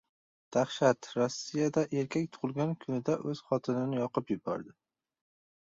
Dahshat! Rossiyada erkak tug‘ilgan kunida o‘z xotinini yoqib yubordi